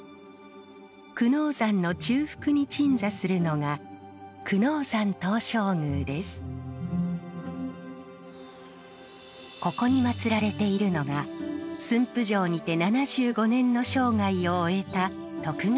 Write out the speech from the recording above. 久能山の中腹に鎮座するのがここに祀られているのが駿府城にて７５年の生涯を終えた徳川家康。